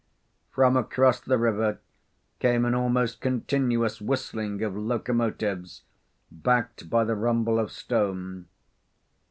From across the river came an almost continuous whistling of locomotives, backed by the rumble of stone.